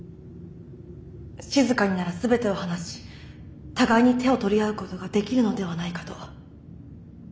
しずかになら全てを話し互いに手を取り合うことができるのではないかと。